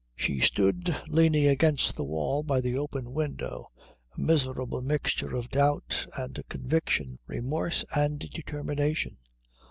She stood leaning against the wall by the open window, a miserable mixture of doubt and conviction, remorse and determination.